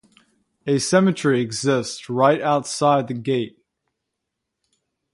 A cemetery exists right outside the gate.